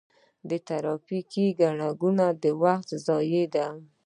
آیا ټرافیکي ګڼه ګوڼه د وخت ضایع ده؟